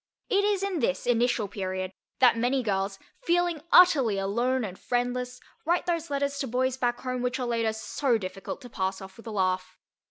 It is in this initial period that many girls, feeling utterly alone and friendless, write those letters to boys back home which are later so difficult to pass off with a laugh.